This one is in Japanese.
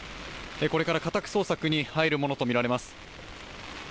これから家宅捜索に入るものとみられます